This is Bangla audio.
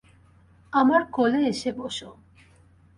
আমার কোলে এসে বসো।